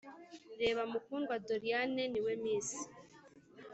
reba mukundwa doriane niwe miss.